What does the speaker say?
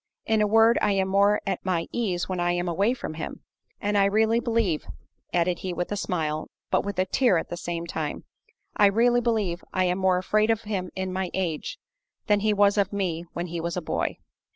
In a word, I am more at my ease when I am away from him—and I really believe," added he with a smile, but with a tear at the same time, "I really believe, I am more afraid of him in my age, than he was of me when he was a boy."